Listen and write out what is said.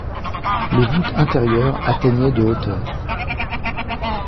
Les voûtes intérieures atteignaient de hauteur.